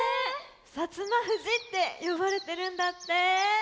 「摩富士」ってよばれてるんだって。